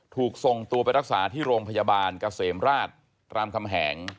ถูกส่งตัวไปรักษาที่โรงพยาบาลเกษมราชรามคำแหง